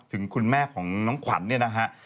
ถึงคุณแม่ของน้องขวัญเนี่ยนะฮะ